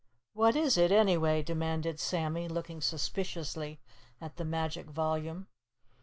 "What is it anyway?" demanded Sammy, looking suspiciously at the magic volume.